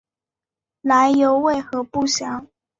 来由为何不详。